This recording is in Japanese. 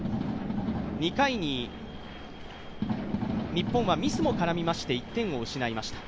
２回に日本はミスも絡みまして１点を失いました。